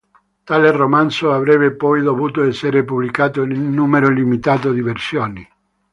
Tale romanzo avrebbe poi dovuto essere pubblicato in un numero illimitato di versioni.